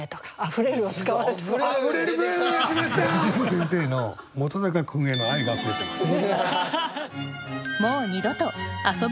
先生の本君への愛が溢れてます。